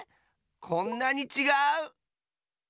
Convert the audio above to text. こんなにちがう！